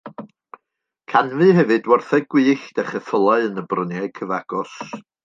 Canfu hefyd wartheg gwyllt a cheffylau yn y bryniau cyfagos.